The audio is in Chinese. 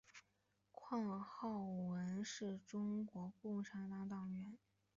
况浩文是中国共产党党员。